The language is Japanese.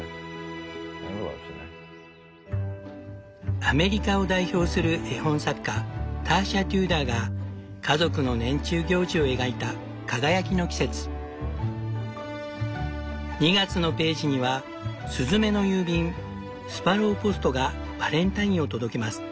アメリカを代表する絵本作家ターシャ・テューダーが家族の年中行事を描いた「輝きの季節」。２月のページには「スズメの郵便スパローポストがバレンタインを届けます。